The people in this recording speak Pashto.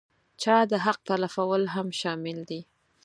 چا د حق تلفول هم شامل دي.